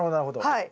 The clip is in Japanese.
はい。